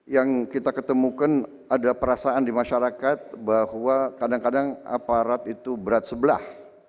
yang kita ketemukan ada perasaan di masyarakat bahwa kadang kadang aparat itu berat sebelah